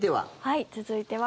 続いては。